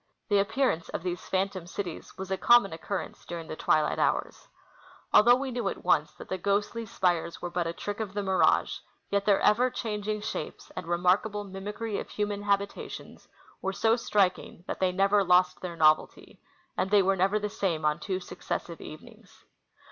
The appearance of these phantom cities was a common occurrence during the twilight hours. Although we knew at once that the ghostly spires Avere but a trick of the mirage, yet their ever changing shapes and remarkable mimicry of human habitations wer^ so striking that they never lost their novelty ; and they were never the same on two successive even ings.